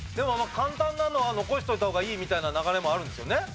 簡単なのは残しといた方がいいみたいな流れもあるんですよね？